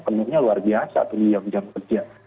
penuhnya luar biasa di jamu kerja